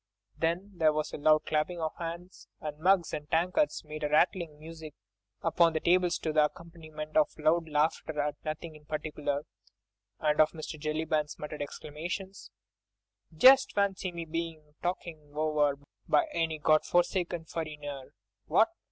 Then there was loud clapping of hands, and mugs and tankards made a rattling music upon the tables to the accompaniment of loud laughter at nothing in particular, and of Mr. Jellyband's muttered exclamations: "Just fancy me bein' talked over by any God forsaken furriner!—What?